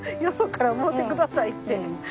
「よそからもうてください」って。